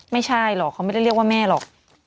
ไม่ใช่หรอกเขาไม่ได้เรียกว่าแม่หรอก